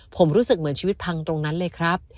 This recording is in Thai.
ผมรู้สึกเหมือนชีวิตพังตรงนั้นเลยครับ